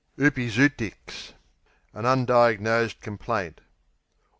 Oopizootics An undiagnosed complaint.